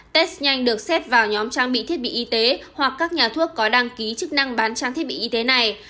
test nhanh được xét vào nhóm trang bị thiết bị y tế hoặc các nhà thuốc có đăng ký chức năng bán trang thiết bị y tế này